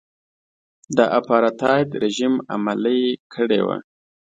د اپارټایډ رژیم عملي کړی و.